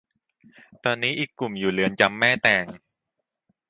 ตอนนี้อีกกลุ่มอยู่เรือนจำแม่แตง